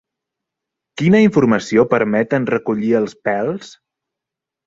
Quina informació permeten recollir els pèls?